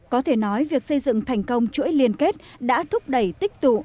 có thể nói việc xây dựng thành công chuỗi liên kết đã thúc đẩy tích tụ